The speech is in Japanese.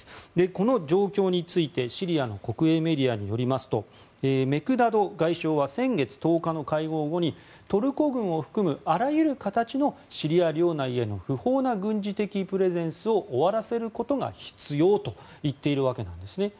この状況について、シリアの国営メディアによりますとメクダド外相は先月１０日の会合後にトルコ軍を含むあらゆる形のシリア領内への不法な軍事的プレゼンスを終わらせることが必要と言っているわけです。